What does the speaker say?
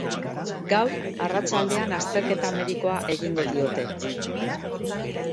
Gaur arratsaldean azterketa medikoa egingo diote.